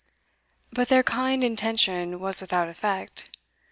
But their kind intention was without effect.